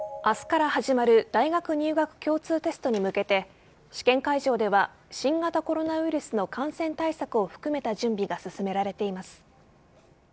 明日から始まる大学入学共通テストに向けて試験会場では新型コロナウイルスの感染対策を含めた準備が進められています。